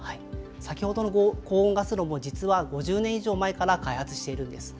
先ほどの高温ガス炉も、実は５０年以上前から開発しているんです。